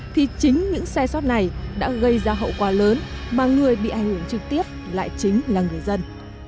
thì chính những xe sót này đã gây ra hậu quả lớn mà người bị ảnh hưởng trực tiếp lại chính là người dân